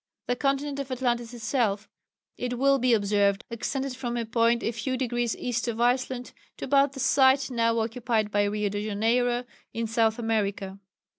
The continent of Atlantis itself, it will be observed, extended from a point a few degrees east of Iceland to about the site now occupied by Rio de Janeiro, in South America.